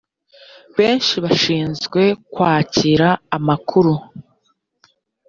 benshi bashinzwe kwakira amakuru